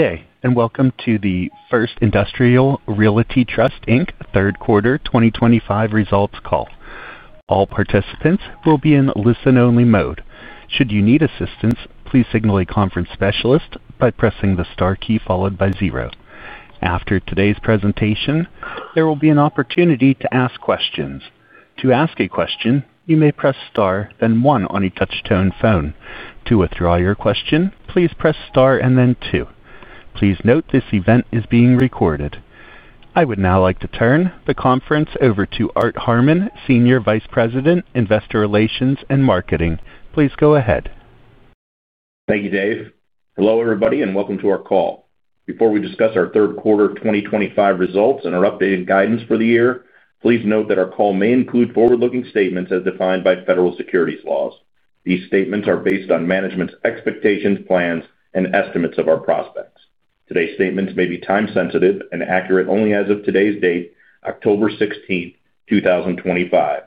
Today, and welcome to the First Industrial Realty Trust, Inc Third Quarter 2025 Results Call. All participants will be in listen-only mode. Should you need assistance, please signal a conference specialist by pressing the star key followed by zero. After today's presentation, there will be an opportunity to ask questions. To ask a question, you may press star, then one on a touch-tone phone. To withdraw your question, please press star and then two. Please note this event is being recorded. I would now like to turn the conference over to Art Harmon, Senior Vice President, Investor Relations and Marketing. Please go ahead. Thank you, Dave. Hello everybody, and welcome to our call. Before we discuss our third quarter 2025 results and our updated guidance for the year, please note that our call may include forward-looking statements as defined by federal securities laws. These statements are based on management's expectations, plans, and estimates of our prospects. Today's statements may be time-sensitive and accurate only as of today's date, October 16, 2025.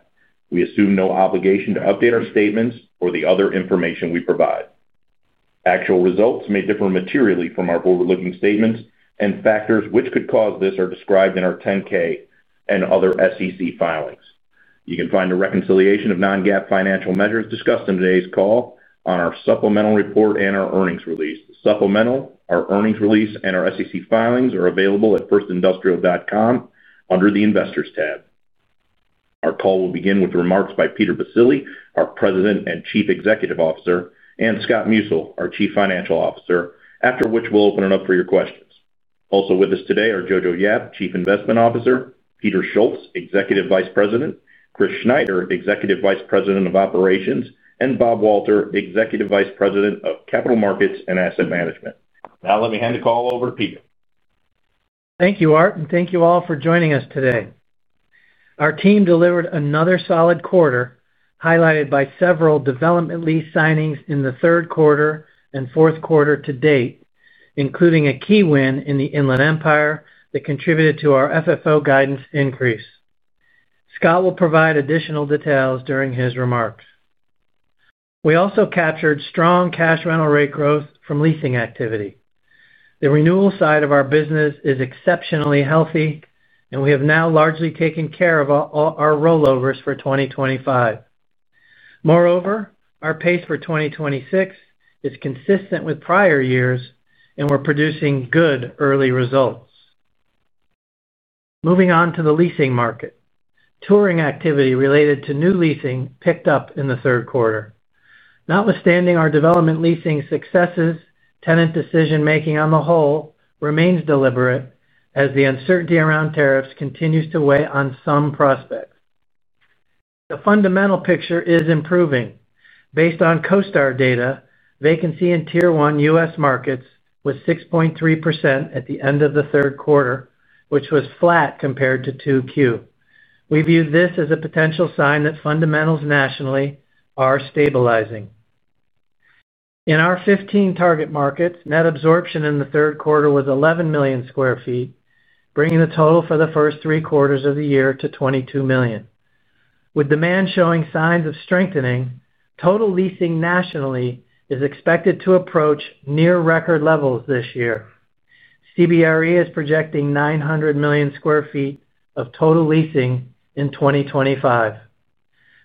We assume no obligation to update our statements or the other information we provide. Actual results may differ materially from our forward-looking statements, and factors which could cause this are described in our 10-K and other SEC filings. You can find the reconciliation of non-GAAP financial measures discussed in today's call on our supplemental report and our earnings release. The supplemental, our earnings release, and our SEC filings are available at firstindustrial.com under the Investors tab. Our call will begin with remarks by Peter Baccile, our President and Chief Executive Officer, and Scott Musil, our Chief Financial Officer, after which we'll open it up for your questions. Also with us today are Jojo Yap, Chief Investment Officer; Peter Schultz, Executive Vice President; Chris Schneider, Executive Vice President of Operations; and Bob Walter, Executive Vice President of Capital Markets and Asset Management. Now let me hand the call over to Peter. Thank you, Art, and thank you all for joining us today. Our team delivered another solid quarter, highlighted by several development lease signings in the third quarter and fourth quarter to date, including a key win in the Inland Empire that contributed to our FFO guidance increase. Scott will provide additional details during his remarks. We also captured strong cash rental rate growth from leasing activity. The renewal side of our business is exceptionally healthy, and we have now largely taken care of all our rollovers for 2025. Moreover, our pace for 2026 is consistent with prior years, and we're producing good early results. Moving on to the leasing market, touring activity related to new leasing picked up in the third quarter. Notwithstanding our development leasing successes, tenant decision-making on the whole remains deliberate as the uncertainty around tariffs continues to weigh on some prospects. The fundamental picture is improving. Based on CoStar data, vacancy in Tier 1 U.S. markets was 6.3% at the end of the third quarter, which was flat compared to 2Q. We view this as a potential sign that fundamentals nationally are stabilizing. In our 15 target markets, net absorption in the third quarter was 11 million sq ft, bringing the total for the first three quarters of the year to 22 million. With demand showing signs of strengthening, total leasing nationally is expected to approach near record levels this year. CBRE is projecting 900 million sq ft of total leasing in 2025,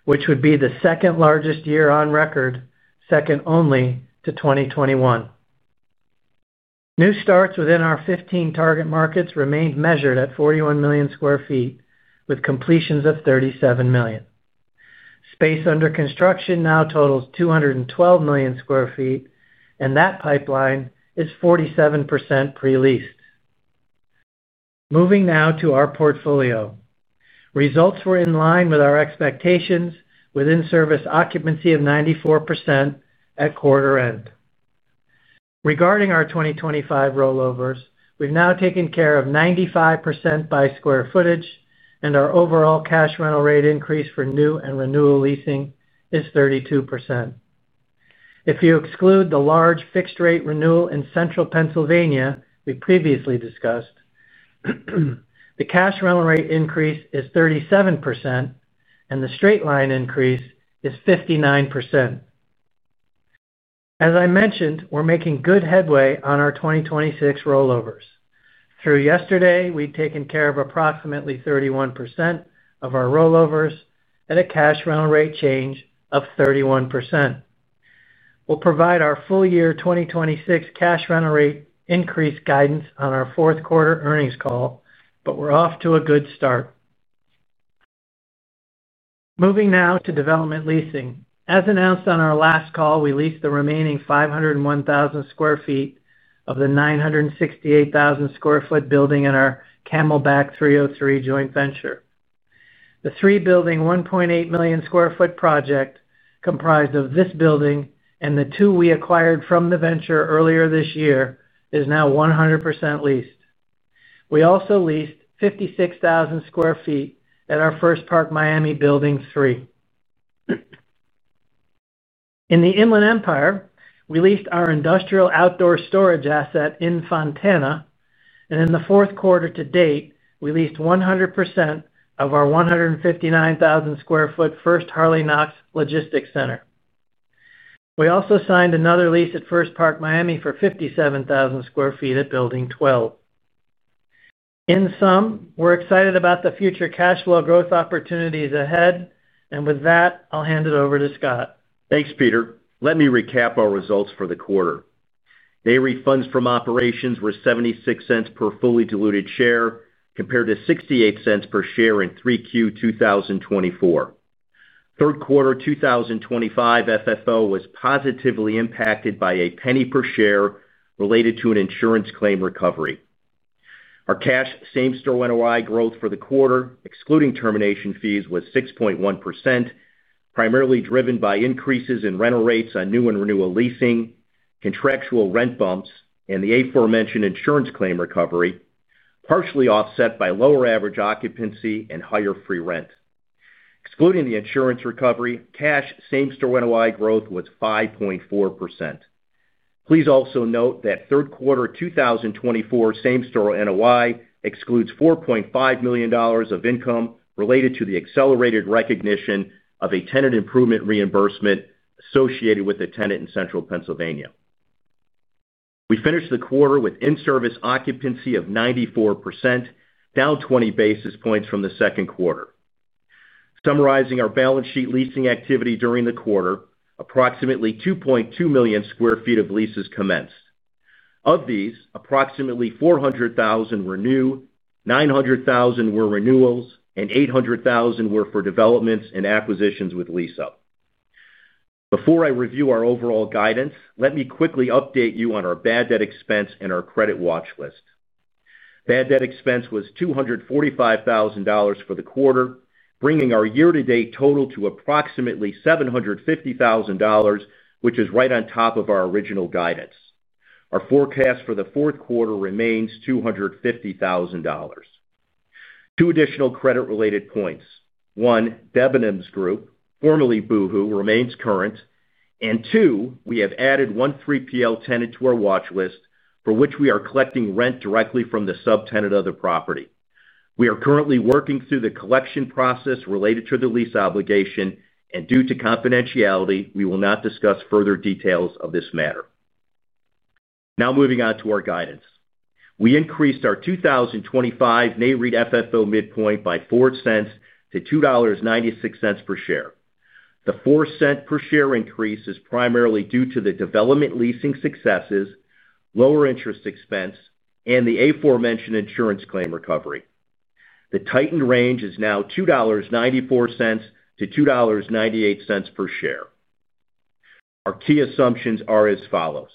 which would be the second largest year on record, second only to 2021. New starts within our 15 target markets remained measured at 41 million sq ft, with completions of 37 million. Space under construction now totals 212 million sq ft, and that pipeline is 47% pre-leased. Moving now to our portfolio. Results were in line with our expectations, with in-service occupancy of 94% at quarter end. Regarding our 2025 rollovers, we've now taken care of 95% by square footage, and our overall cash rental rate increase for new and renewal leasing is 32%. If you exclude the large fixed-rate renewal in Central Pennsylvania we previously discussed, the cash rental rate increase is 37%, and the straight line increase is 59%. As I mentioned, we're making good headway on our 2026 rollovers. Through yesterday, we'd taken care of approximately 31% of our rollovers at a cash rental rate change of 31%. We'll provide our full-year 2026 cash rental rate increase guidance on our fourth quarter earnings call, but we're off to a good start. Moving now to development leasing. As announced on our last call, we leased the remaining 501,000 sq ft of the 968,000 sq ft building in our Camelback 303 joint venture. The three-building 1.8 million sq ft project, comprised of this building and the two we acquired from the venture earlier this year, is now 100% leased. We also leased 56,000 sq ft at our First Park Miami Building 3. In the Inland Empire, we leased our industrial outdoor storage asset in Fontana, and in the fourth quarter to date, we leased 100% of our 159,000 sq ft First Harley Knox Logistics Center. We also signed another lease at First Park Miami for 57,000 sq ft at Building 12. In sum, we're excited about the future cash flow growth opportunities ahead, and with that, I'll hand it over to Scott. Thanks, Peter. Let me recap our results for the quarter. Daily funds from operations were $0.76 per fully diluted share, compared to $0.68 per share in 3Q 2024. Third quarter 2025 FFO was positively impacted by a penny per share related to an insurance claim recovery. Our cash same-store NOI growth for the quarter, excluding termination fees, was 6.1%, primarily driven by increases in rental rates on new and renewal leasing, contractual rent bumps, and the aforementioned insurance claim recovery, partially offset by lower average occupancy and higher free rent. Excluding the insurance recovery, cash same-store NOI growth was 5.4%. Please also note that third quarter 2024 same-store NOI excludes $4.5 million of income related to the accelerated recognition of a tenant improvement reimbursement associated with a tenant in Central Pennsylvania. We finished the quarter with in-service occupancy of 94%, down 20 basis points from the second quarter. Summarizing our balance sheet leasing activity during the quarter, approximately 2.2 million sq ft of leases commenced. Of these, approximately 400,000 sq ft were new, 900,000 sq ft were renewals, and 800,000 sq ft were for developments and acquisitions with lease up. Before I review our overall guidance, let me quickly update you on our bad debt expense and our credit watch list. Bad debt expense was $245,000 for the quarter, bringing our year-to-date total to approximately $750,000, which is right on top of our original guidance. Our forecast for the fourth quarter remains $250,000. Two additional credit-related points: one, Debenhams Group, formerly Boohoo, remains current; and two, we have added one 3PL tenant to our watch list, for which we are collecting rent directly from the subtenant of the property. We are currently working through the collection process related to the lease obligation, and due to confidentiality, we will not discuss further details of this matter. Now moving on to our guidance. We increased our 2025 NAREIT FFO midpoint by $0.04 to $2.96 per share. The $0.04 per share increase is primarily due to the development leasing successes, lower interest expense, and the aforementioned insurance claim recovery. The tightened range is now $2.94-$2.98 per share. Our key assumptions are as follows: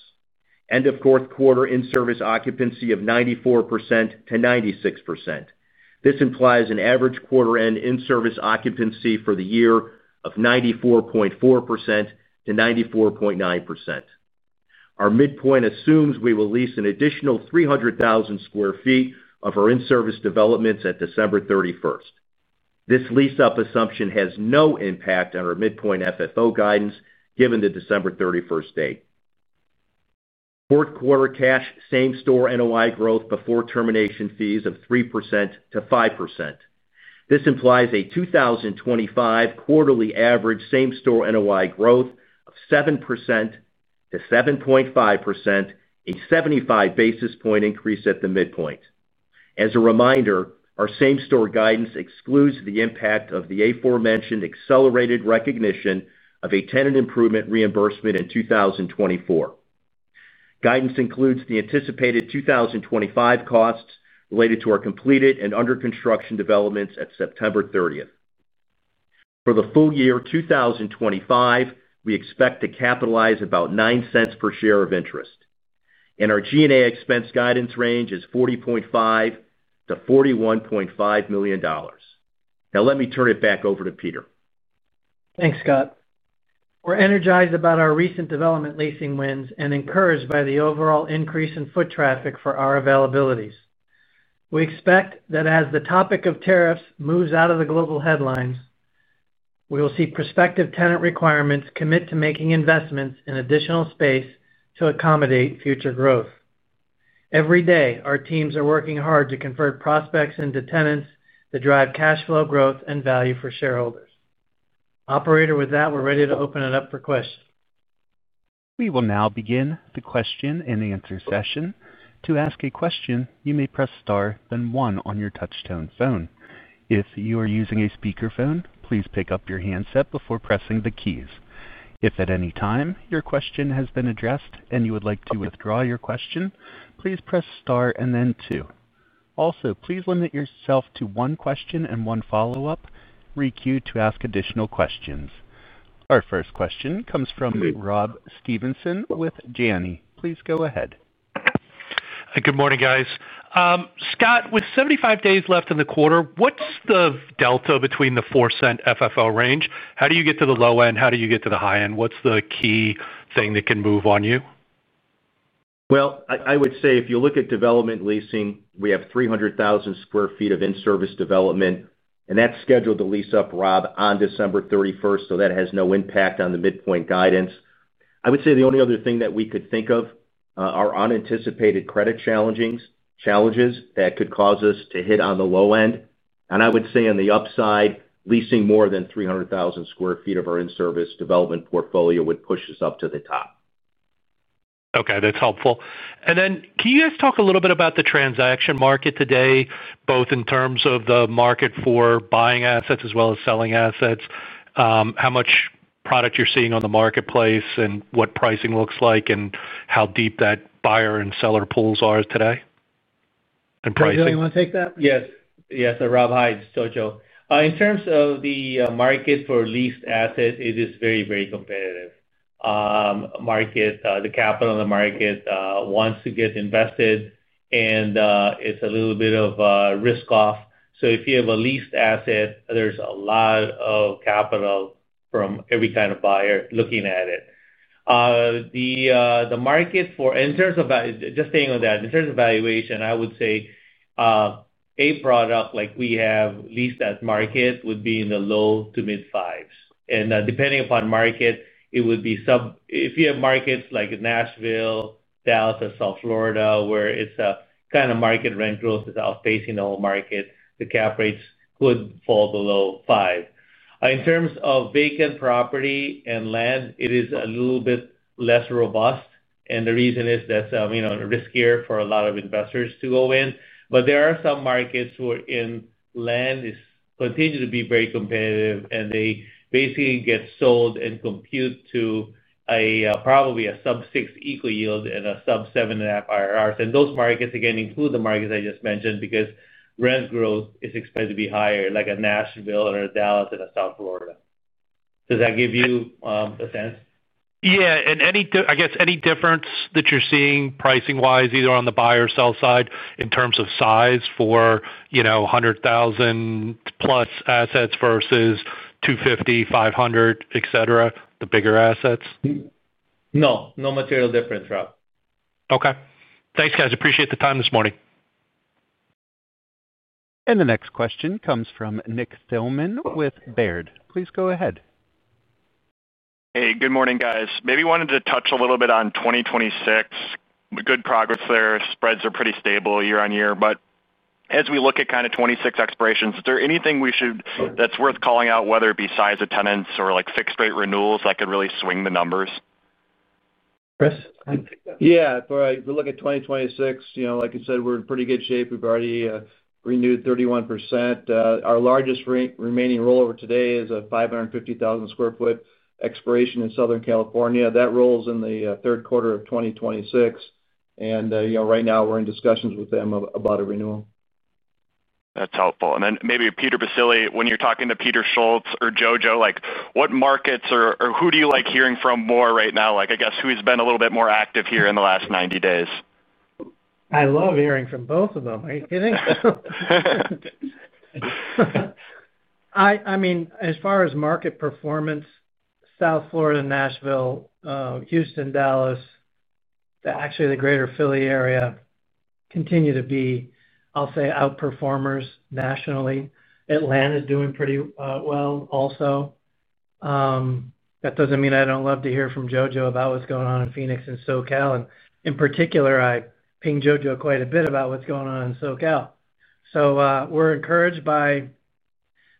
end of fourth quarter in-service occupancy of 94%-96%. This implies an average quarter-end in-service occupancy for the year of 94.4%-94.9%. Our midpoint assumes we will lease an additional 300,000 sq ft of our in-service developments at December 31st. This lease-up assumption has no impact on our midpoint FFO guidance, given the December 31st date. Fourth quarter cash same-store NOI growth before termination fees of 3%-5%. This implies a 2025 quarterly average same-store NOI growth of 7% to 7.5%, a 75 basis point increase at the midpoint. As a reminder, our same-store guidance excludes the impact of the aforementioned accelerated recognition of a tenant improvement reimbursement in 2024. Guidance includes the anticipated 2025 costs related to our completed and under-construction developments at September 30th. For the full year 2025, we expect to capitalize about $0.09 per share of interest. Our G&A expense guidance range is $40.5 million-$41.5 million. Now let me turn it back over to Peter. Thanks, Scott. We're energized about our recent development leasing wins and encouraged by the overall increase in foot traffic for our availabilities. We expect that as the topic of tariffs moves out of the global headlines, we will see prospective tenant requirements commit to making investments in additional space to accommodate future growth. Every day, our teams are working hard to convert prospects into tenants that drive cash flow growth and value for shareholders. Operator, with that, we're ready to open it up for questions. We will now begin the question and answer session. To ask a question, you may press star, then one on your touch-tone phone. If you are using a speakerphone, please pick up your handset before pressing the keys. If at any time your question has been addressed and you would like to withdraw your question, please press star and then two. Also, please limit yourself to one question and one follow-up. Re-queue to ask additional questions. Our first question comes from Rob Stevenson with Janney. Please go ahead. Good morning, guys. Scott, with 75 days left in the quarter, what's the delta between the $0.04 FFO range? How do you get to the low end? How do you get to the high end? What's the key thing that can move on you? If you look at development leasing, we have 300,000 sq ft of in-service development, and that's scheduled to lease up, Rob, on December 31st, so that has no impact on the midpoint guidance. I would say the only other thing that we could think of are unanticipated credit challenges that could cause us to hit on the low end. I would say on the upside, leasing more than 300,000 sq ft of our in-service development portfolio would push us up to the top. Okay, that's helpful. Can you guys talk a little bit about the transaction market today, both in terms of the market for buying assets as well as selling assets? How much product you're seeing on the marketplace and what pricing looks like and how deep that buyer and seller pools are today, and pricing. Does anyone want to take that? Yes. Yes, Rob, hi, its Jojo. In terms of the market for leased assets, it is very, very competitive. The capital in the market wants to get invested, and it's a little bit of risk off. If you have a leased asset, there's a lot of capital from every kind of buyer looking at it. The market for, in terms of, just staying on that, in terms of valuation, I would say a product like we have leased at market would be in the low to mid-5s. Depending upon market, it would be sub, if you have markets like Nashville, Dallas, or South Florida, where it's a kind of market rent growth that's outpacing the whole market, the cap rates could fall below 5. In terms of vacant property and land, it is a little bit less robust, and the reason is that's riskier for a lot of investors to go in. There are some markets where land is continuing to be very competitive, and they basically get sold and compute to probably a sub-6 equity yield and a sub-7.5 IRRs. Those markets, again, include the markets I just mentioned because rent growth is expected to be higher, like a Nashville or a Dallas and a South Florida. Does that give you a sense? Yeah, any difference that you're seeing pricing-wise, either on the buy or sell side in terms of size for, you know, $100,000+ assets versus $250,000, $500,000, et cetera, the bigger assets? No, no material difference, Rob. Okay, thanks, guys. Appreciate the time this morning. The next question comes from Nick Thillman with Baird. Please go ahead. Hey, good morning, guys. Maybe wanted to touch a little bit on 2026. Good progress there. Spreads are pretty stable year on year, but as we look at kind of 2026 expirations, is there anything we should, that's worth calling out, whether it be size of tenants or like fixed-rate renewals that could really swing the numbers? Chris? Yeah, if we look at 2026, you know, like I said, we're in pretty good shape. We've already renewed 31%. Our largest remaining rollover today is a 550,000 sq ft expiration in Southern California. That rolls in the third quarter of 2026. Right now we're in discussions with them about a renewal. That's helpful. Maybe Peter Baccile, when you're talking to Peter Schultz or Jojo like, what markets or who do you like hearing from more right now? I guess who's been a little bit more active here in the last 90 days? I love hearing from both of them. Are you kidding? I mean, as far as market performance, South Florida and Nashville, Houston, Dallas, actually the Greater Philly area, continue to be, I'll say, outperformers nationally. Atlanta is doing pretty well also. That doesn't mean I don't love to hear from Jojo about what's going on in Phoenix and SoCal. In particular, I ping Jojo quite a bit about what's going on in SoCal. We're encouraged by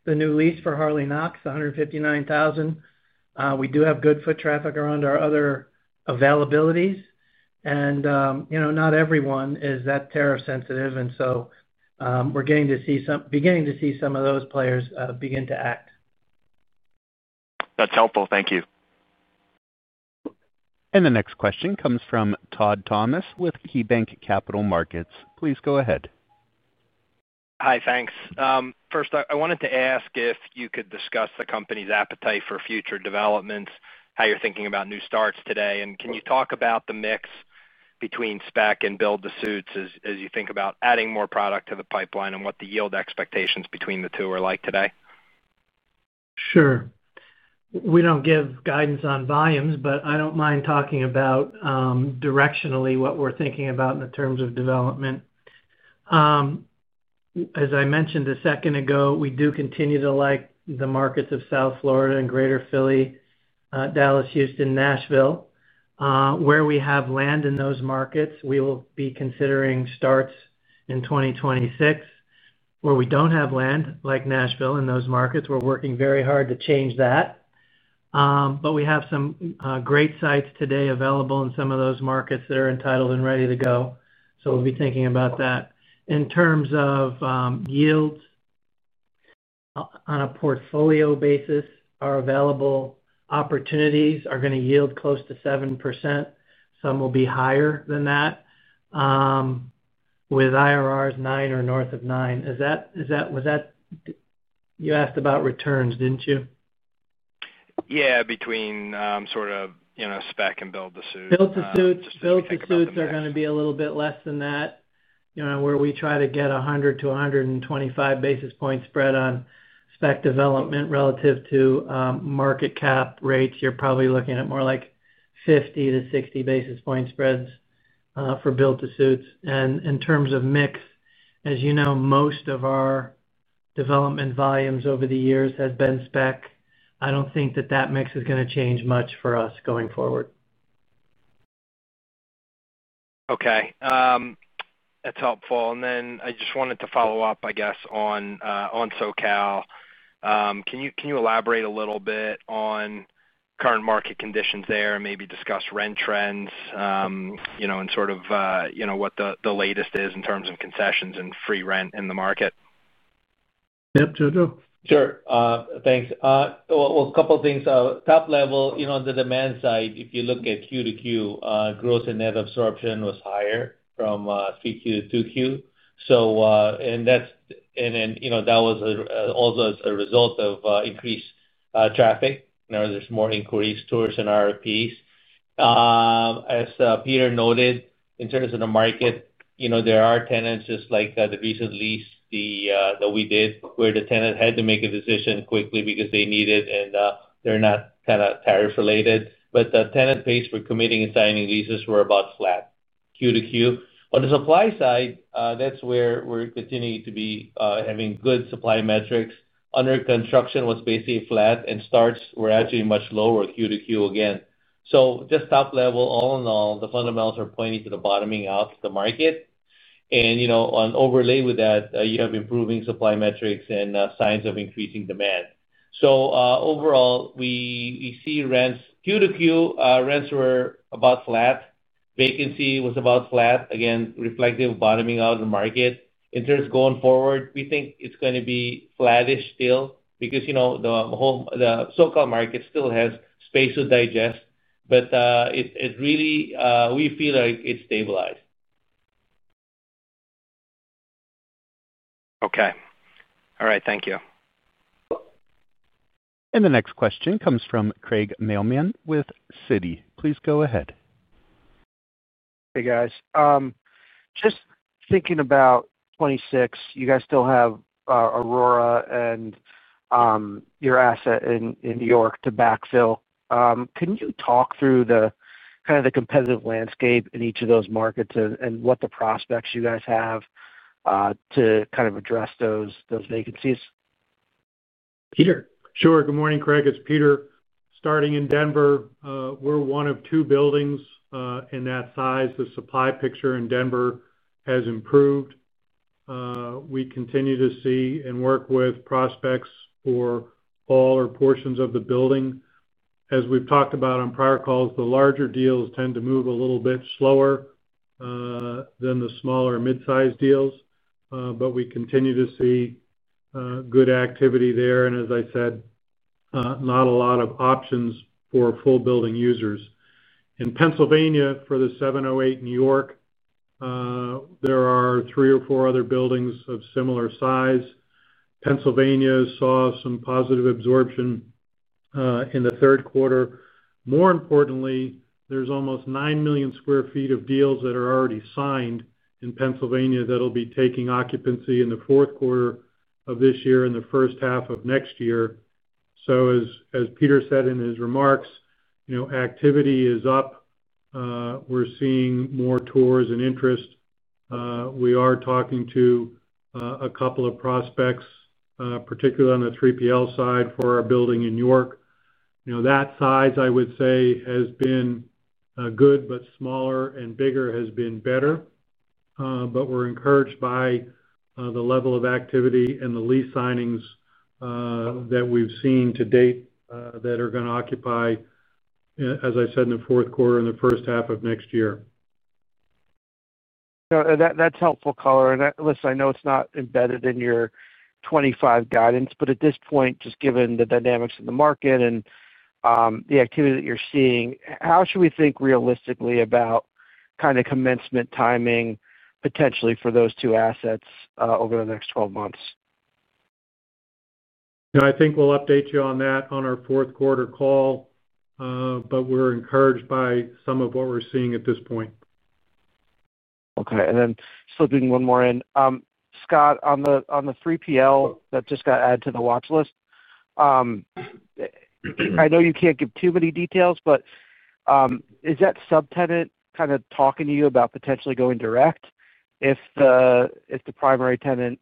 the new lease for Harley Knox, 159,000 sq ft. We do have good foot traffic around our other availabilities. You know, not everyone is that tariff-sensitive. We're getting to see some, beginning to see some of those players, begin to act. That's helpful. Thank you. The next question comes from Todd Thomas with KeyBanc Capital Markets. Please go ahead. Hi, thanks. First, I wanted to ask if you could discuss the company's appetite for future developments, how you're thinking about new starts today, and can you talk about the mix between spec and build-to-suits as you think about adding more product to the pipeline and what the yield expectations between the two are like today? Sure. We don't give guidance on volumes, but I don't mind talking about, directionally, what we're thinking about in terms of development. As I mentioned a second ago, we do continue to like the markets of South Florida and Greater Philly, Dallas, Houston, Nashville. Where we have land in those markets, we will be considering starts in 2026. Where we don't have land, like Nashville, in those markets, we're working very hard to change that. We have some great sites today available in some of those markets that are entitled and ready to go. We'll be thinking about that. In terms of yields, on a portfolio basis, our available opportunities are going to yield close to 7%. Some will be higher than that, with IRRs nine or north of nine. Is that, was that, you asked about returns, didn't you? Yeah, between, sort of, you know, spec and build-to-suits. Build to suits are going to be a little bit less than that. You know, where we try to get 100-125 basis points spread on spec development relative to market cap rates, you're probably looking at more like 50-60 basis point spreads for build to suits. In terms of mix, as you know, most of our development volumes over the years have been spec. I don't think that that mix is going to change much for us going forward. Okay, that's helpful. I just wanted to follow up on SoCal. Can you elaborate a little bit on current market conditions there and maybe discuss rent trends, and what the latest is in terms of concessions and free rent in the market? Yep, Jojo. Sure, thanks. A couple of things. Top level, on the demand side, if you look at Q to Q, growth in net absorption was higher from 3Q, 2Q. That was also as a result of increased traffic. Now there's more inquiries, tours, and RFPs. As Peter noted, in terms of the market, there are tenants just like the recent lease that we did where the tenant had to make a decision quickly because they need it and they're not kind of tariff-related. The tenant pace for committing and signing leases was about flat Q to Q. On the supply side, that's where we're continuing to have good supply metrics. Under construction was basically flat and starts were actually much lower Q to Q again. Just top level, all in all, the fundamentals are pointing to the bottoming out of the market. You have improving supply metrics and signs of increasing demand. Overall, we see rents Q to Q were about flat. Vacancy was about flat, again, reflective of bottoming out of the market. In terms of going forward, we think it's going to be flattish still because the whole SoCal market still has space to digest. It really, we feel like it's stabilized. Okay. All right. Thank you. The next question comes from Craig Mailman with Citi. Please go ahead. Hey, guys. Just thinking about 2026, you guys still have Aurora and your asset in New York to backfill. Can you talk through the kind of the competitive landscape in each of those markets and what the prospects you guys have to kind of address those vacancies? Peter. Sure. Good morning, Craig. It's Peter. Starting in Denver, we're one of two buildings in that size. The supply picture in Denver has improved. We continue to see and work with prospects for all or portions of the building. As we've talked about on prior calls, the larger deals tend to move a little bit slower than the smaller mid-size deals. We continue to see good activity there. As I said, not a lot of options for full building users. In Pennsylvania, for the 708 New York, there are three or four other buildings of similar size. Pennsylvania saw some positive absorption in the third quarter. More importantly, there's almost 9 million sq ft of deals that are already signed in Pennsylvania that'll be taking occupancy in the fourth quarter of this year and the first half of next year. As Peter said in his remarks, activity is up. We're seeing more tours and interest. We are talking to a couple of prospects, particularly on the 3PL side for our building in New York. That size, I would say, has been good, but smaller and bigger has been better. We're encouraged by the level of activity and the lease signings that we've seen to date that are going to occupy, as I said, in the fourth quarter and the first half of next year. No, that's helpful, Color. I know it's not embedded in your 2025 guidance, but at this point, just given the dynamics in the market and the activity that you're seeing, how should we think realistically about kind of commencement timing potentially for those two assets over the next 12 months? No, I think we'll update you on that on our fourth quarter call. We're encouraged by some of what we're seeing at this point. Okay. Slipping one more in. Scott, on the 3PL that just got added to the watch list, I know you can't give too many details, but is that subtenant kind of talking to you about potentially going direct if the primary tenant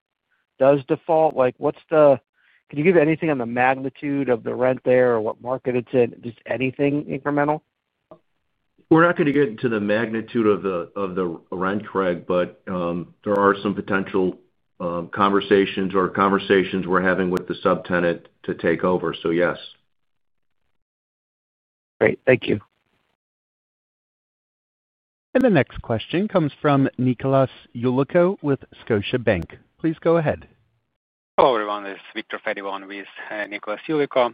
does default? What's the, can you give anything on the magnitude of the rent there or what market it's in? Just anything incremental? We're not going to get into the magnitude of the rent, Craig, but there are some potential conversations or conversations we're having with the subtenant to take over. So yes. Great. Thank you. The next question comes from Nicholas Yulico with Scotiabank. Please go ahead. Hello, everyone. This is Viktor Fediv on with Nicholas Yulico.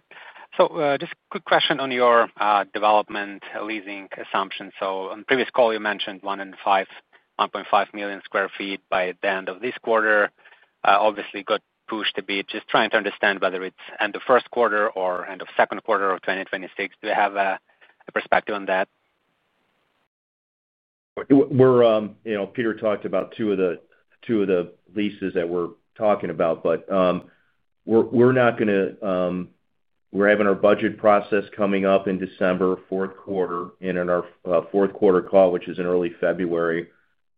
Just a quick question on your development leasing assumption. On the previous call, you mentioned 1.5 million sq ft by the end of this quarter. Obviously, good push to be. Just trying to understand whether it's end of first quarter or end of second quarter of 2026. Do you have a perspective on that? Peter talked about two of the leases that we're talking about, but we're not going to, we're having our budget process coming up in December, fourth quarter, and in our fourth quarter call, which is in early February,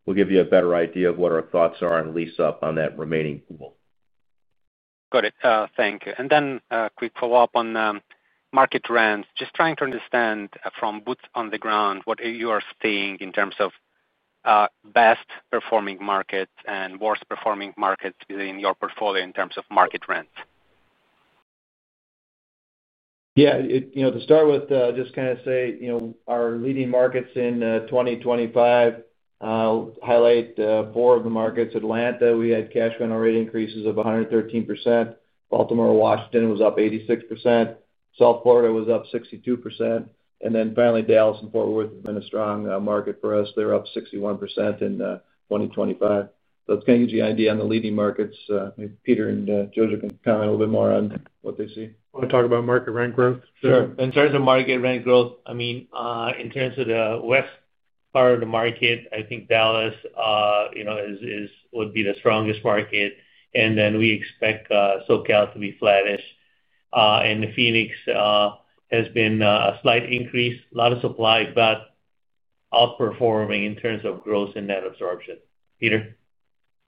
we'll give you a better idea of what our thoughts are on lease up on that remaining pool. Got it. Thank you. Quick follow-up on market trends. Just trying to understand, from boots on the ground, what you are seeing in terms of best-performing markets and worst-performing markets within your portfolio in terms of market trends. Yeah, you know, to start with, just kind of say, you know, our leading markets in 2025 highlight four of the markets. Atlanta, we had cash rental rate increases of 113%. Baltimore/Washington was up 86%. South Florida was up 62%. Finally, Dallas and Fort Worth have been a strong market for us. They're up 61% in 2025. That's going to give you an idea on the leading markets. Maybe Peter and Jojo can comment a little bit more on what they see. Want to talk about market rent growth? Sure. In terms of market rent growth, in terms of the west part of the market, I think Dallas is the strongest market. We expect SoCal to be flattish, and Phoenix has been a slight increase, a lot of supply, but outperforming in terms of growth and net absorption. Peter?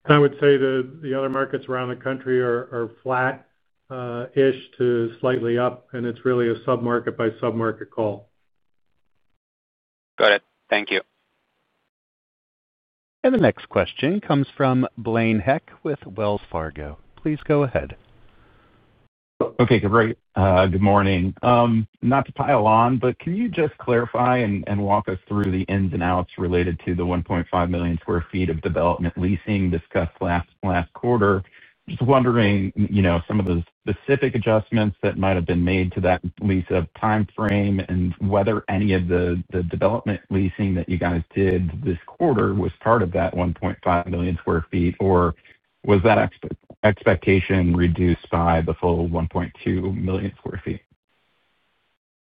I would say the other markets around the country are flat-ish to slightly up, and it's really a submarket by submarket call. Got it. Thank you. The next question comes from Blaine Heck with Wells Fargo. Please go ahead. Okay, great. Good morning. Can you just clarify and walk us through the ins and outs related to the 1.5 million sq ft of development leasing discussed last quarter? Just wondering, you know, some of the specific adjustments that might have been made to that lease timeframe and whether any of the development leasing that you guys did this quarter was part of that 1.5 million sq ft, or was that expectation reduced by the full 1.2 million sq ft?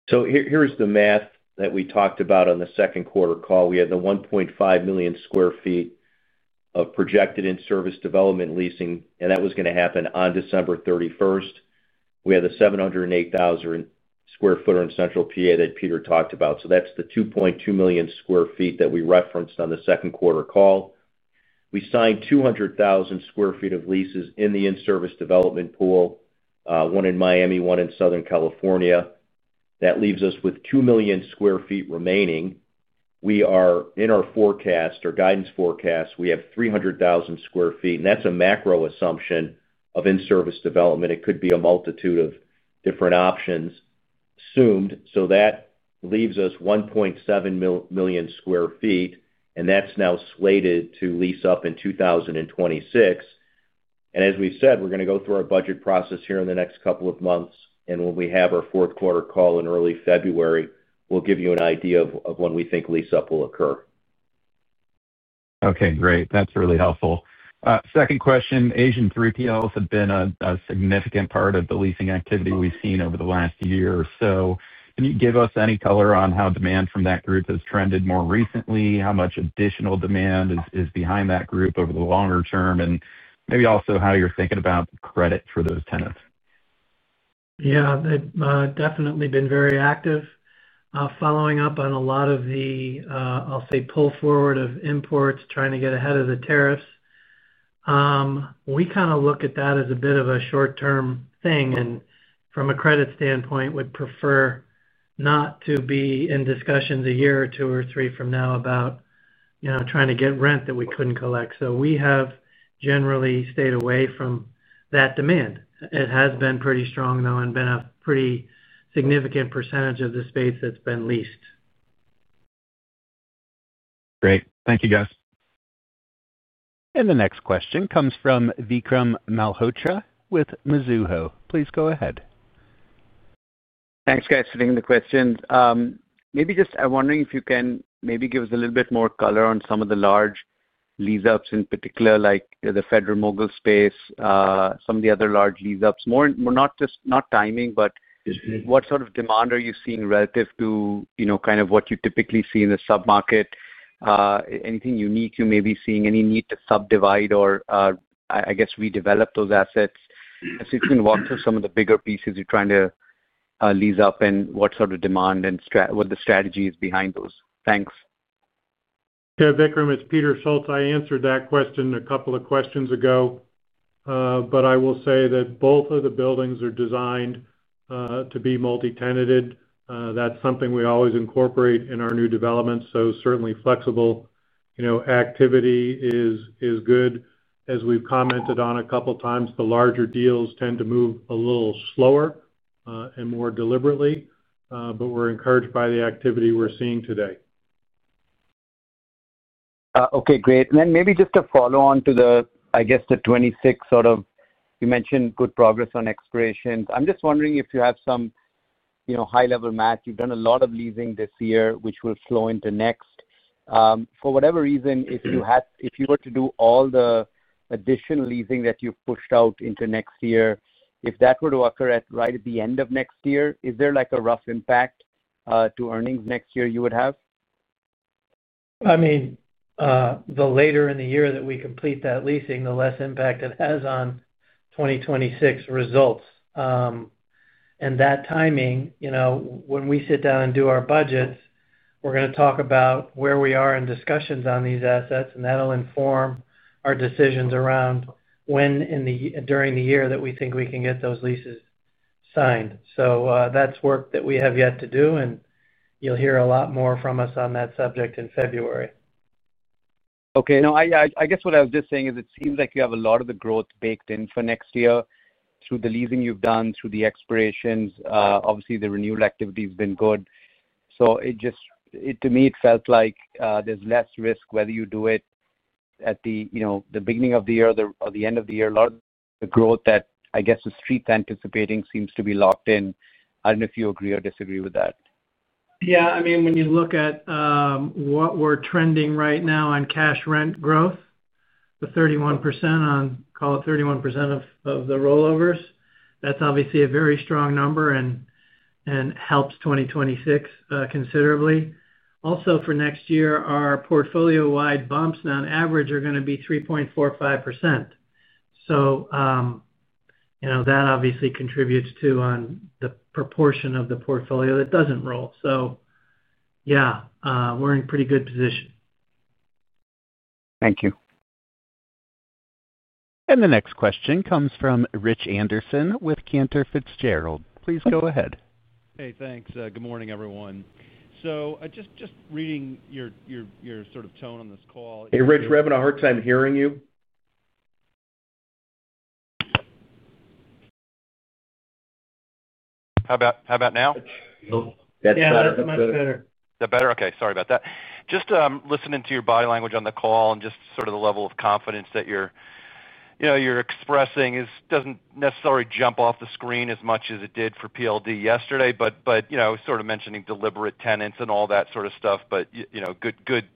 Here's the math that we talked about on the second quarter call. We had the 1.5 million sq ft of projected in-service development leasing, and that was going to happen on December 31st, 2023. We had the 708,000 square-foot on Central PA that Peter talked about. That's the 2.2 million sq ft that we referenced on the second quarter call. We signed 200,000 sq ft of leases in the in-service development pool, one in Miami, one in Southern California. That leaves us with 2 million sq ft remaining. In our forecast, our guidance forecast, we have 300,000 sq ft, and that's a macro assumption of in-service development. It could be a multitude of different options assumed. That leaves us 1.7 million sq ft, and that's now slated to lease up in 2026. As we've said, we're going to go through our budget process here in the next couple of months, and when we have our fourth quarter call in early February, we'll give you an idea of when we think lease up will occur. Okay, great. That's really helpful. Second question, Asian 3PLs have been a significant part of the leasing activity we've seen over the last year or so. Can you give us any color on how demand from that group has trended more recently? How much additional demand is behind that group over the longer term? Maybe also how you're thinking about the credit for those tenants? Yeah, they've definitely been very active, following up on a lot of the, I'll say, pull forward of imports, trying to get ahead of the tariffs. We kind of look at that as a bit of a short-term thing, and from a credit standpoint, would prefer not to be in discussions a year or two or three from now about, you know, trying to get rent that we couldn't collect. We have generally stayed away from that demand. It has been pretty strong, though, and been a pretty significant percentage of the space that's been leased. Great. Thank you, guys. The next question comes from Vikram Malhotra with Mizuho. Please go ahead. Thanks, guys, for taking the questions. Maybe just I'm wondering if you can maybe give us a little bit more color on some of the large lease-ups in particular, like the Federal Mogul space, some of the other large lease-ups. More and not just not timing, but what sort of demand are you seeing relative to, you know, kind of what you typically see in the submarket? Anything unique you may be seeing? Any need to subdivide or, I guess, redevelop those assets? If you can walk through some of the bigger pieces you're trying to lease up and what sort of demand and what the strategy is behind those. Thanks. Yeah, Vikram, it's Peter Schultz. I answered that question a couple of questions ago, but I will say that both of the buildings are designed to be multi-tenanted. That's something we always incorporate in our new developments. Certainly, flexible activity is good. As we've commented on a couple of times, the larger deals tend to move a little slower and more deliberately, but we're encouraged by the activity we're seeing today. Okay, great. Maybe just to follow on to the 2026, you mentioned good progress on expirations. I'm just wondering if you have some high-level math. You've done a lot of leasing this year, which will flow into next. For whatever reason, if you were to do all the additional leasing that you've pushed out into next year, if that were to occur right at the end of next year, is there like a rough impact to earnings next year you would have? I mean, the later in the year that we complete that leasing, the less impact it has on 2026 results. That timing, you know, when we sit down and do our budgets, we're going to talk about where we are in discussions on these assets, and that'll inform our decisions around when during the year that we think we can get those leases signed. That's work that we have yet to do, and you'll hear a lot more from us on that subject in February. Okay. I guess what I was just saying is it seems like you have a lot of the growth baked in for next year through the leasing you've done, through the expirations. Obviously, the renewal activity has been good. It felt like there's less risk whether you do it at the beginning of the year or the end of the year. A lot of the growth that I guess the street's anticipating seems to be locked in. I don't know if you agree or disagree with that. Yeah, I mean, when you look at what we're trending right now on cash rent growth, the 31% on, call it 31% of the rollovers, that's obviously a very strong number and helps 2026 considerably. Also, for next year, our portfolio-wide bumps on average are going to be 3.45%. You know, that obviously contributes to the proportion of the portfolio that doesn't roll. Yeah, we're in a pretty good position. Thank you. The next question comes from Rich Anderson with Cantor Fitzgerald. Please go ahead. Hey, thanks. Good morning, everyone. I was just reading your sort of tone on this call. Hey, Rich, we're having a hard time hearing you. How about now? That's better. That's much better. Is that better? Okay, sorry about that. Just listening to your body language on the call and just sort of the level of confidence that you're, you know, you're expressing doesn't necessarily jump off the screen as much as it did for PLD yesterday, but, you know, I was sort of mentioning deliberate tenants and all that sort of stuff, but, you know, good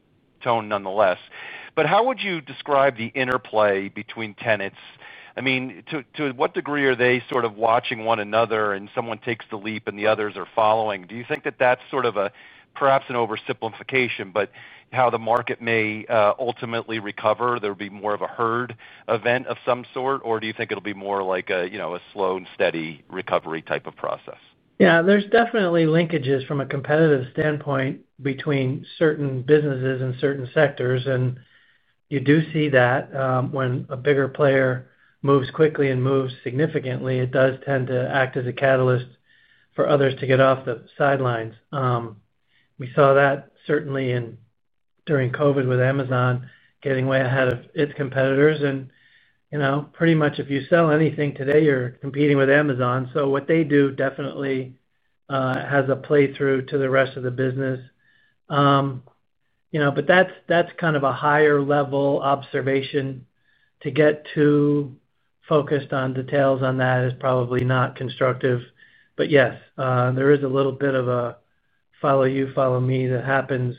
tone nonetheless. How would you describe the interplay between tenants? I mean, to what degree are they sort of watching one another and someone takes the leap and the others are following? Do you think that that's sort of a perhaps an oversimplification, but how the market may ultimately recover, there'll be more of a herd event of some sort, or do you think it'll be more like a slow and steady recovery type of process? Yeah, there's definitely linkages from a competitive standpoint between certain businesses and certain sectors, and you do see that when a bigger player moves quickly and moves significantly, it does tend to act as a catalyst for others to get off the sidelines. We saw that certainly during COVID with Amazon getting way ahead of its competitors, and you know, pretty much if you sell anything today, you're competing with Amazon. What they do definitely has a playthrough to the rest of the business. That's kind of a higher-level observation. To get too focused on details on that is probably not constructive. Yes, there is a little bit of a follow you, follow me that happens.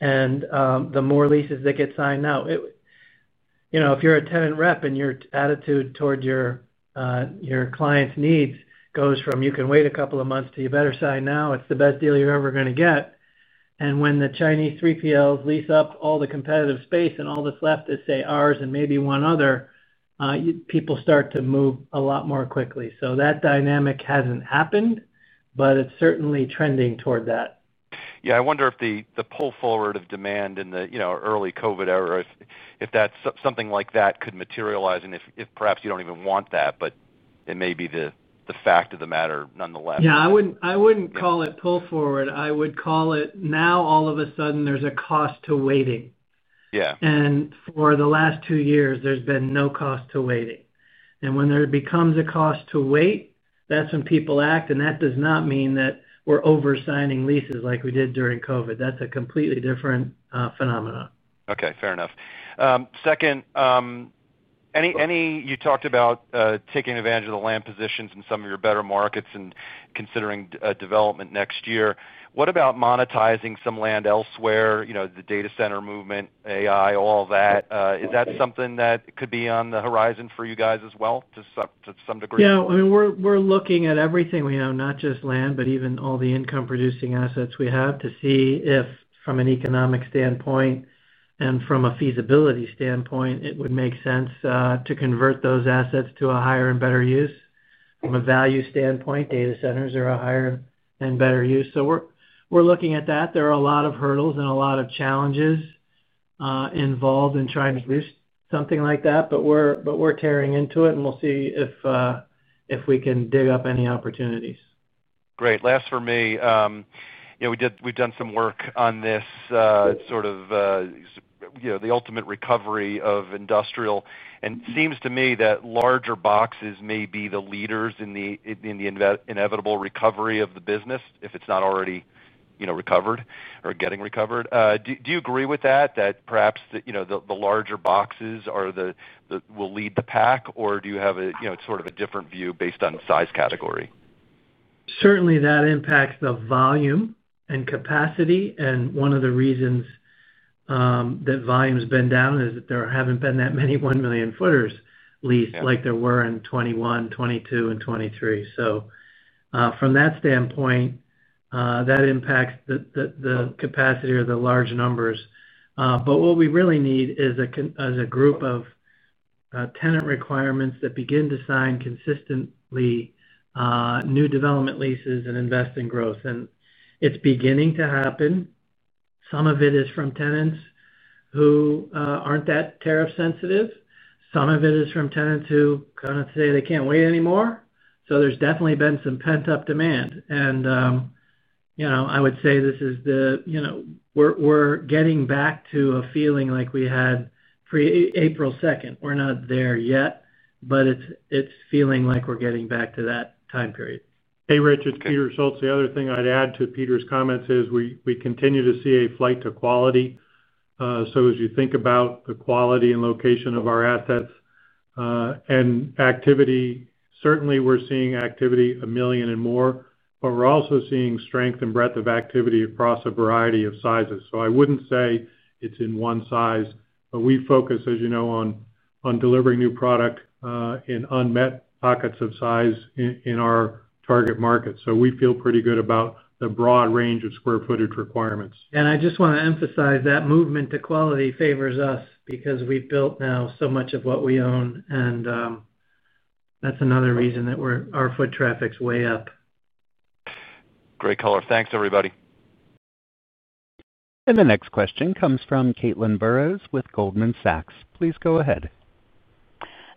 The more leases that get signed now, if you're a tenant rep and your attitude toward your client's needs goes from you can wait a couple of months to you better sign now, it's the best deal you're ever going to get. When the Chinese 3PLs lease up all the competitive space and all that's left is, say, ours and maybe one other, people start to move a lot more quickly. That dynamic hasn't happened, but it's certainly trending toward that. I wonder if the pull forward of demand in the early COVID era, if that's something like that could materialize, and if perhaps you don't even want that, but it may be the fact of the matter nonetheless. I wouldn't call it pull forward. I would call it now all of a sudden there's a cost to waiting. For the last two years, there's been no cost to waiting. When there becomes a cost to wait, that's when people act, and that does not mean that we're oversigning leases like we did during COVID. That's a completely different phenomenon. Okay, fair enough. Second, you talked about taking advantage of the land positions in some of your better markets and considering a development next year. What about monetizing some land elsewhere? You know, the data center movement, AI, all that. Is that something that could be on the horizon for you guys as well to some degree? Yeah, I mean, we're looking at everything we have, not just land, but even all the income-producing assets we have to see if from an economic standpoint and from a feasibility standpoint, it would make sense to convert those assets to a higher and better use. From a value standpoint, data centers are a higher and better use. We're looking at that. There are a lot of hurdles and a lot of challenges involved in trying to do something like that, but we're tearing into it, and we'll see if we can dig up any opportunities. Great. Last for me, you know, we've done some work on this, sort of, you know, the ultimate recovery of industrial, and it seems to me that larger boxes may be the leaders in the inevitable recovery of the business if it's not already, you know, recovered or getting recovered. Do you agree with that, that perhaps the larger boxes are the ones that will lead the pack, or do you have a different view based on size category? Certainly, that impacts the volume and capacity. One of the reasons that volume's been down is that there haven't been that many 1 million footers leased like there were in 2021, 2022, and 2023. From that standpoint, that impacts the capacity or the large numbers. What we really need is a group of tenant requirements that begin to sign consistently, new development leases and invest in growth. It's beginning to happen. Some of it is from tenants who aren't that tariff-sensitive. Some of it is from tenants who kind of say they can't wait anymore. There's definitely been some pent-up demand. I would say this is the, you know, we're getting back to a feeling like we had pre-April 2nd. We're not there yet, but it's feeling like we're getting back to that time period. Hey, Richard, Peter Schultz. The other thing I'd add to Peter's comments is we continue to see a flight to quality. As you think about the quality and location of our assets and activity, certainly we're seeing activity a million and more, but we're also seeing strength and breadth of activity across a variety of sizes. I wouldn't say it's in one size, but we focus, as you know, on delivering new product in unmet pockets of size in our target market. We feel pretty good about the broad range of square footage requirements. I just want to emphasize that movement to quality favors us because we've built now so much of what we own, and that's another reason that our foot traffic's way up. Great color. Thanks, everybody. The next question comes from Caitlin Burrows with Goldman Sachs. Please go ahead.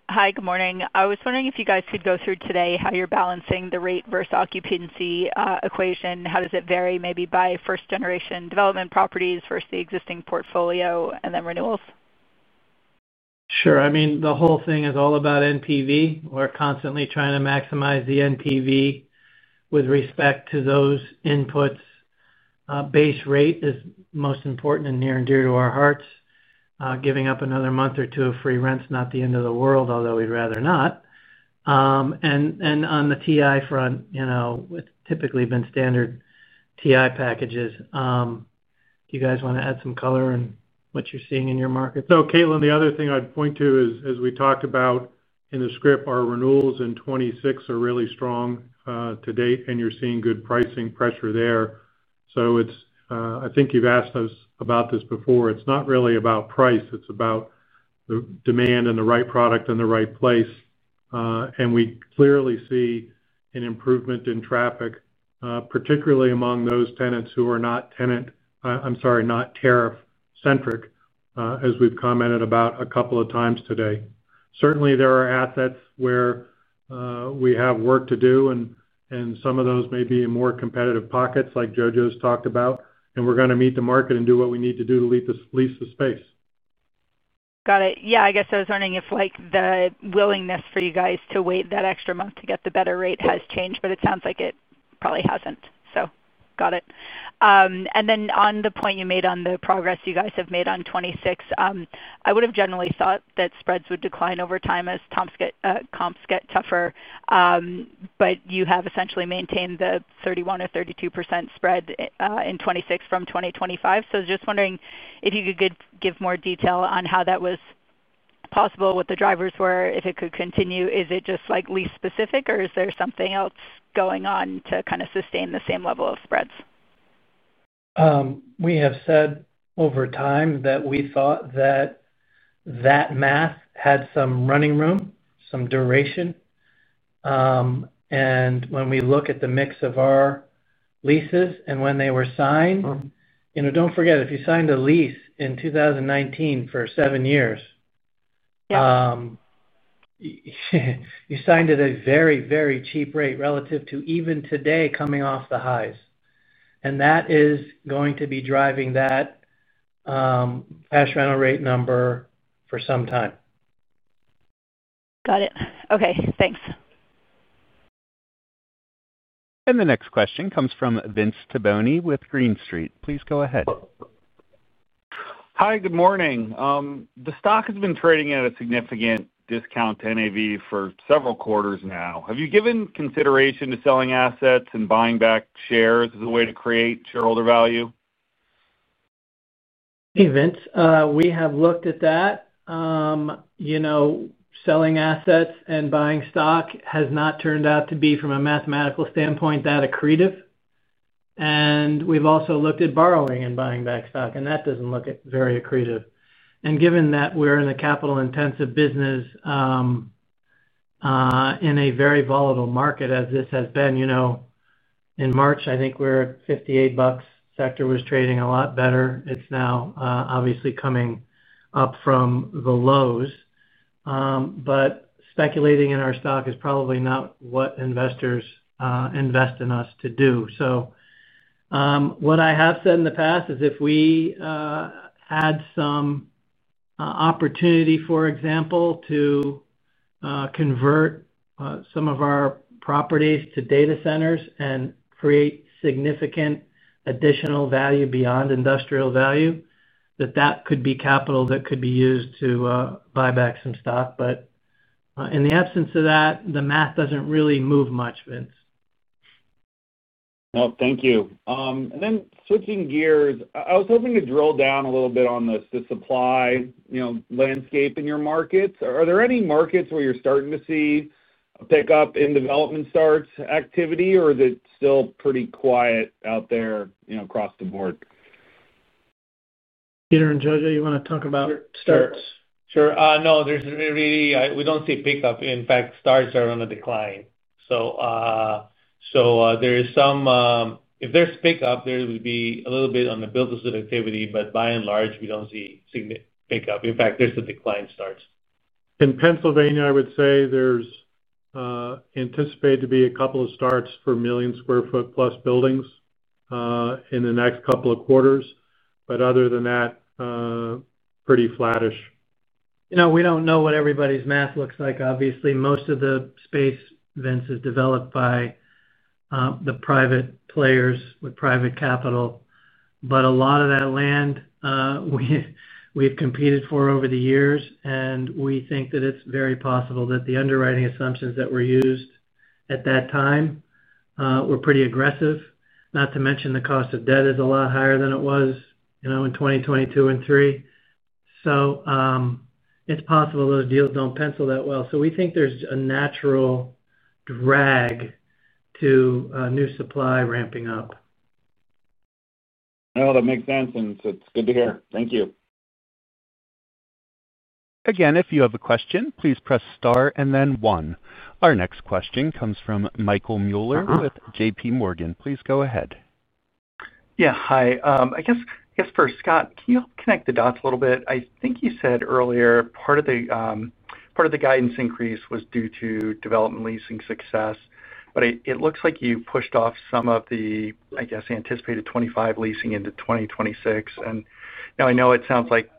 Hi, good morning. I was wondering if you guys could go through today how you're balancing the rate versus occupancy equation. How does it vary maybe by first-generation development properties versus the existing portfolio and then renewals? Sure. I mean, the whole thing is all about net present value. We're constantly trying to maximize the net present value with respect to those inputs. Base rate is most important and near and dear to our hearts. Giving up another month or two of free rent's not the end of the world, although we'd rather not. On the tenant improvement front, you know, we've typically been standard tenant improvement packages. Do you guys want to add some color on what you're seeing in your markets? No, Caitlin, the other thing I'd point to is, as we talked about in the script, our renewals in 2026 are really strong to date, and you're seeing good pricing pressure there. I think you've asked us about this before. It's not really about price. It's about the demand and the right product in the right place. We clearly see an improvement in traffic, particularly among those tenants who are not tariff-centric, as we've commented about a couple of times today. Certainly, there are assets where we have work to do, and some of those may be in more competitive pockets like Jojo's talked about, and we're going to meet the market and do what we need to do to lease the space. Got it. I guess I was wondering if the willingness for you guys to wait that extra month to get the better rate has changed, but it sounds like it probably hasn't. Got it. On the point you made on the progress you guys have made on 2026, I would have generally thought that spreads would decline over time as comps get tougher, but you have essentially maintained the 31% or 32% spread in 2026 from 2025. I was just wondering if you could give more detail on how that was possible, what the drivers were, if it could continue. Is it just lease-specific, or is there something else going on to kind of sustain the same level of spreads? We have said over time that we thought that math had some running room, some duration. When we look at the mix of our leases and when they were signed, you know, don't forget, if you signed a lease in 2019 for seven years, you signed at a very, very cheap rate relative to even today coming off the highs. That is going to be driving that cash rental rate number for some time. Got it. Okay, thanks. The next question comes from Vince Tibone with Green Street. Please go ahead. Hi, good morning. The stock has been trading at a significant discount to NAV for several quarters now. Have you given consideration to selling assets and buying back shares as a way to create shareholder value? Hey, Vince. We have looked at that. You know, selling assets and buying stock has not turned out to be, from a mathematical standpoint, that accretive. We've also looked at borrowing and buying back stock, and that doesn't look very accretive. Given that we're in a capital-intensive business, in a very volatile market, as this has been, in March, I think we were at $58. The sector was trading a lot better. It's now, obviously coming up from the lows. Speculating in our stock is probably not what investors invest in us to do. What I have said in the past is if we had some opportunity, for example, to convert some of our properties to data centers and create significant additional value beyond industrial value, that could be capital that could be used to buy back some stock. In the absence of that, the math doesn't really move much, Vince. No, thank you. Then switching gears, I was hoping to drill down a little bit on the supply landscape in your markets. Are there any markets where you're starting to see a pickup in development starts activity, or is it still pretty quiet out there across the board? Peter and Jojo, you want to talk about starts? No, there's really, we don't see pickup. In fact, starts are on the decline. If there's pickup, there would be a little bit on the builders of activity, but by and large, we don't see significant pickup. In fact, there's a decline in starts. In Pennsylvania, I would say there's anticipated to be a couple of starts for million square foot plus buildings in the next couple of quarters. Other than that, pretty flattish. We don't know what everybody's math looks like. Obviously, most of the space, Vince, is developed by the private players with private capital. A lot of that land, we've competed for over the years, and we think that it's very possible that the underwriting assumptions that were used at that time were pretty aggressive. Not to mention the cost of debt is a lot higher than it was in 2022 and 2023. It's possible those deals don't pencil that well. We think there's a natural drag to new supply ramping up. No, that makes sense, and it's good to hear. Thank you. Again, if you have a question, please press star and then one. Our next question comes from Michael Mueller with JPMorgan. Please go ahead. Hi. I guess for Scott, can you help connect the dots a little bit? I think you said earlier part of the guidance increase was due to development leasing success, but it looks like you pushed off some of the anticipated 2025 leasing into 2026. I know it sounds like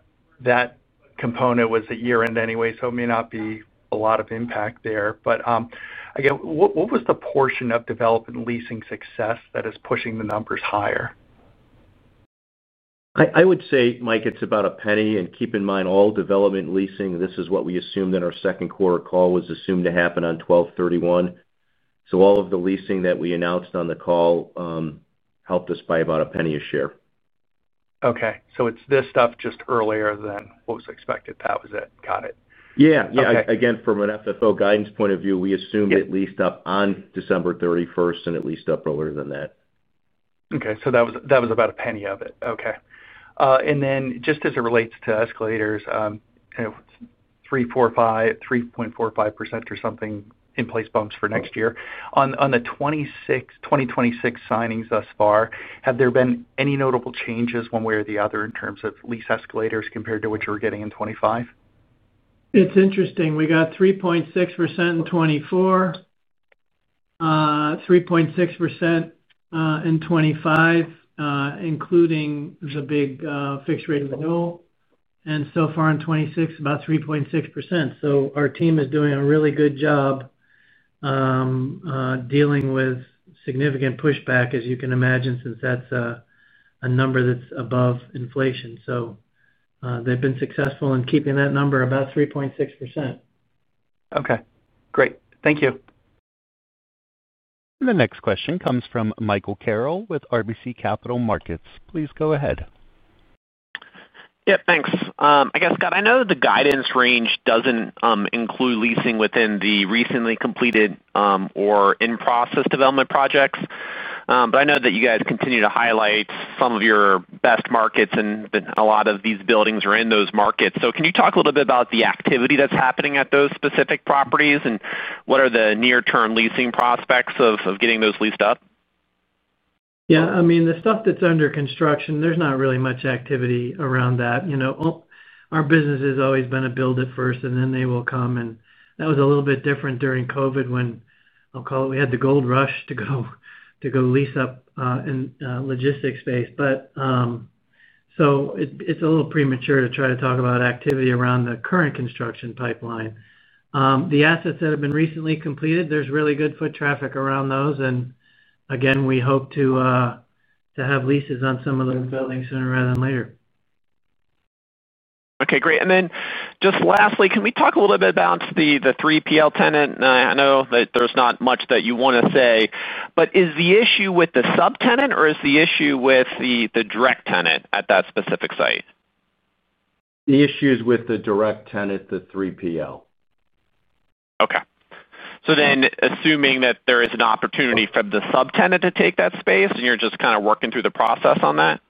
that component was at year-end anyway, so it may not be a lot of impact there. What was the portion of development leasing success that is pushing the numbers higher? I would say, Mike, it's about a penny. Keep in mind, all development leasing, this is what we assumed in our second quarter call, was assumed to happen on 12/31. All of the leasing that we announced on the call helped us by about a penny a share. Okay, so it's this stuff just earlier than what was expected. That was it. Got it. Yeah. Again, from an FFO guidance point of view, we assumed it leased up on December 31st and it leased up earlier than that. Okay, that was about a penny of it. Okay, and then just as it relates to escalators, you know, 3.45% or something in place bumps for next year. On the 2026 signings thus far, have there been any notable changes one way or the other in terms of lease escalators compared to what you were getting in 2025? It's interesting. We got 3.6% in 2024, 3.6% in 2025, including the big, fixed-rate renewal. In 2026, so far, about 3.6%. Our team is doing a really good job, dealing with significant pushback, as you can imagine, since that's a number that's above inflation. They've been successful in keeping that number about 3.6%. Okay. Great. Thank you. The next question comes from Michael Carroll with RBC Capital Markets. Please go ahead. Yeah, thanks. I guess, [got], I know the guidance range doesn't include leasing within the recently completed or in-process development projects. I know that you guys continue to highlight some of your best markets and a lot of these buildings are in those markets. Can you talk a little bit about the activity that's happening at those specific properties and what are the near-term leasing prospects of getting those leased up? Yeah, I mean, the stuff that's under construction, there's not really much activity around that. You know, our business has always been a build-it-first, and then they will come. That was a little bit different during COVID when, I'll call it, we had the gold rush to go lease up, in, logistics space. It's a little premature to try to talk about activity around the current construction pipeline. The assets that have been recently completed, there's really good foot traffic around those. Again, we hope to have leases on some of those buildings sooner rather than later. Okay, great. Lastly, can we talk a little bit about the 3PL tenant? I know that there's not much that you want to say, but is the issue with the subtenant or is the issue with the direct tenant at that specific site? The issue is with the direct tenant, the 3PL. Okay. Assuming that there is an opportunity for the subtenant to take that space, and you're just kind of working through the process on that?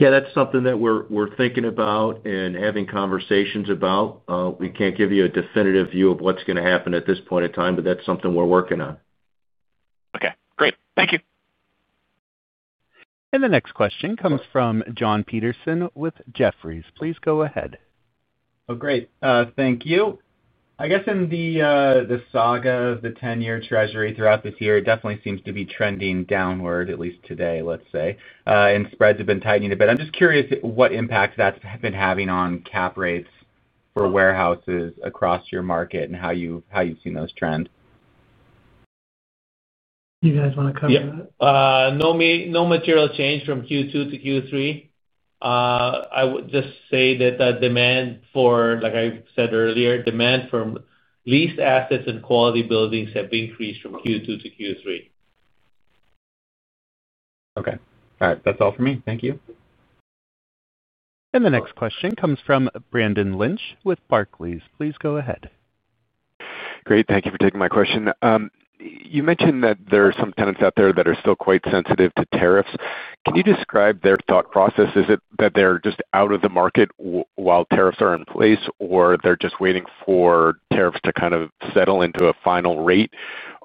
Yeah, that's something that we're thinking about and having conversations about. We can't give you a definitive view of what's going to happen at this point in time, but that's something we're working on. Okay. Great. Thank you. The next question comes from Jon Petersen with Jefferies. Please go ahead. Oh, great. Thank you. I guess in the saga of the 10-year Treasury throughout this year, it definitely seems to be trending downward, at least today, let's say. Spreads have been tightening a bit. I'm just curious what impact that's been having on cap rates for warehouses across your market and how you've seen those trend. You guys want to cover that? Yeah, no material change from Q2 to Q3. I would just say that the demand for, like I said earlier, demand from leased assets and quality buildings have increased from Q2 to Q3. Okay. All right. That's all for me. Thank you. The next question comes from Brendan Lynch with Barclays. Please go ahead. Great. Thank you for taking my question. You mentioned that there are some tenants out there that are still quite sensitive to tariffs. Can you describe their thought process? Is it that they're just out of the market while tariffs are in place, or they're just waiting for tariffs to kind of settle into a final rate?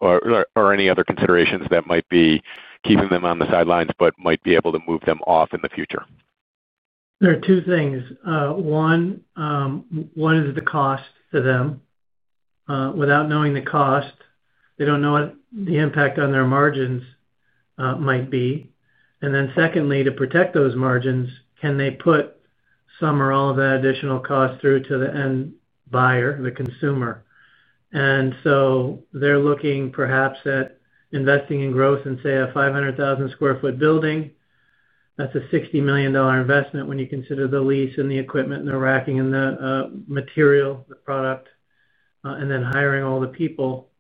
Are there any other considerations that might be keeping them on the sidelines but might be able to move them off in the future? There are two things. One is the cost to them. Without knowing the cost, they don't know what the impact on their margins might be. Secondly, to protect those margins, can they put some or all of that additional cost through to the end buyer, the consumer? They're looking perhaps at investing in growth and, say, a 500,000 square-foot building. That's a $60 million investment when you consider the lease and the equipment and the racking and the material, the product, and then hiring all the people.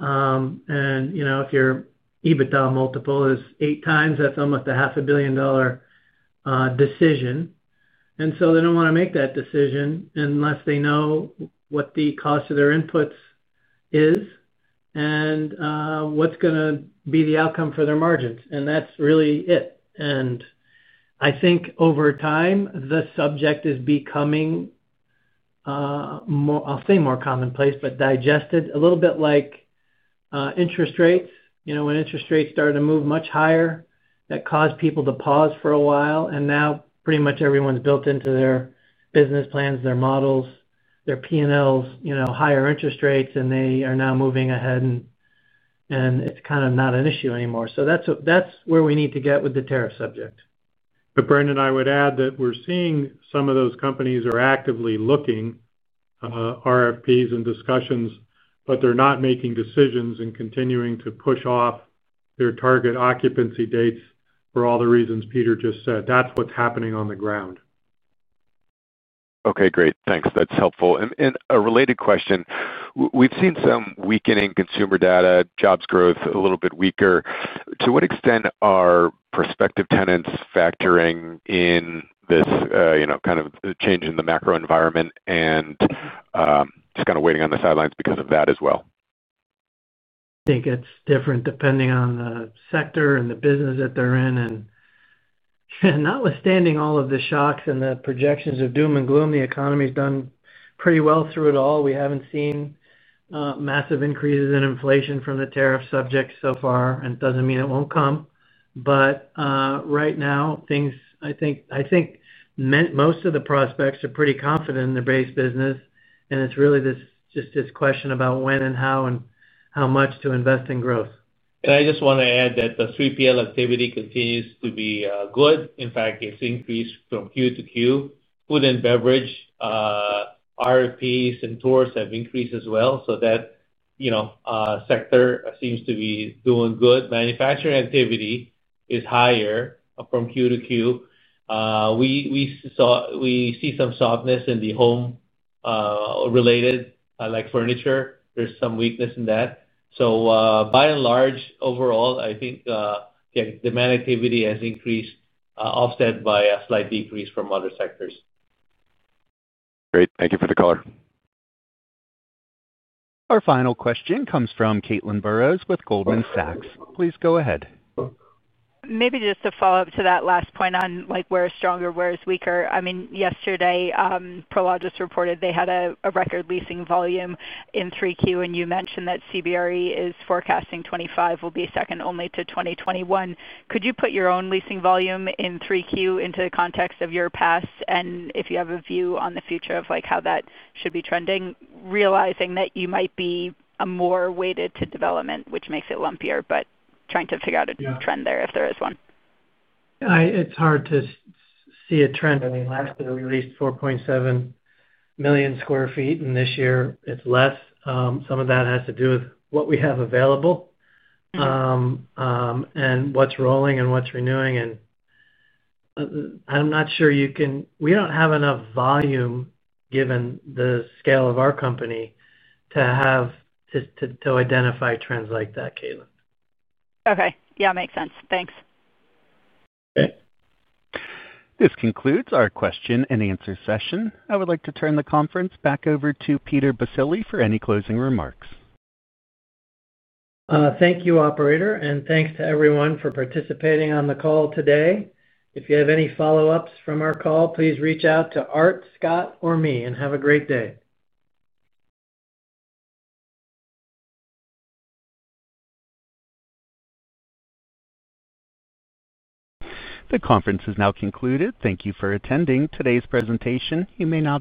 If your EBITDA multiple is eight times, that's almost a half a billion dollar decision. They don't want to make that decision unless they know what the cost of their inputs is and what's going to be the outcome for their margins. That's really it. I think over time, the subject is becoming more, I'll say more commonplace, but digested a little bit like interest rates. You know, when interest rates started to move much higher, that caused people to pause for a while. Now pretty much everyone's built into their business plans, their models, their P&Ls, higher interest rates, and they are now moving ahead and it's kind of not an issue anymore. That's where we need to get with the tariff subject. Brendan and I would add that we're seeing some of those companies are actively looking, RFPs and discussions, but they're not making decisions and continuing to push off their target occupancy dates for all the reasons Peter just said. That's what's happening on the ground. Okay, great. Thanks. That's helpful. A related question: we've seen some weakening consumer data, jobs growth a little bit weaker. To what extent are prospective tenants factoring in this, you know, kind of the change in the macro environment and just kind of waiting on the sidelines because of that as well? I think it's different depending on the sector and the business that they're in. Notwithstanding all of the shocks and the projections of doom and gloom, the economy's done pretty well through it all. We haven't seen massive increases in inflation from the tariff subjects so far. It doesn't mean it won't come, but right now, I think most of the prospects are pretty confident in their base business, and it's really just this question about when and how and how much to invest in growth. I just want to add that the 3PL activity continues to be good. In fact, it's increased from Q to Q. Food and beverage RFPs and tours have increased as well. That sector seems to be doing good. Manufacturing activity is higher from Q to Q. We see some softness in the home related, like furniture. There's some weakness in that. By and large, overall, I think the demand activity has increased, offset by a slight decrease from other sectors. Great. Thank you for the color. Our final question comes from Caitlin Burrows with Goldman Sachs. Please go ahead. Maybe just to follow up to that last point on like where is stronger, where is weaker. Yesterday, Prologis reported they had a record leasing volume in 3Q, and you mentioned that CBRE is forecasting 2025 will be second only to 2021. Could you put your own leasing volume in 3Q into the context of your past and if you have a view on the future of like how that should be trending, realizing that you might be more weighted to development, which makes it lumpier, but trying to figure out a trend there if there is one? Yeah, it's hard to see a trend. I mean, last year we leased 4.7 million sq ft, and this year it's less. Some of that has to do with what we have available, what's rolling and what's renewing. I'm not sure you can, we don't have enough volume given the scale of our company to identify trends like that, Caitlin. Okay. Yeah, makes sense. Thanks. Okay. This concludes our question and answer session. I would like to turn the conference back over to Peter Baccile for any closing remarks. Thank you, operator, and thanks to everyone for participating on the call today. If you have any follow-ups from our call, please reach out to Art, Scott, or me, and have a great day. The conference is now concluded. Thank you for attending today's presentation. You may now.